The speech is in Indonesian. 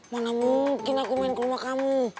mana mungkin aku main ke rumah kamu